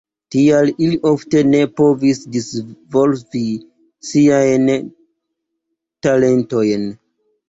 Tial ili ofte ne povis disvolvi siajn talentojn.